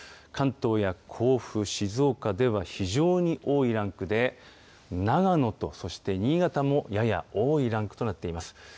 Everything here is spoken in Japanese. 関東や甲府、静岡では非常に多いランクで、長野と、そして新潟もやや多いランクとなっています。